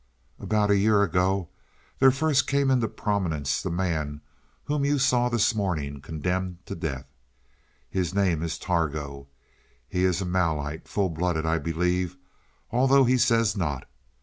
"About a year ago there first came into prominence the man whom you saw this morning condemned to death. His name is Targo he is a Malite full blooded I believe, although he says not.